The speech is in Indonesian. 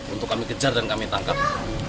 untuk kami kejar dan kami tangkap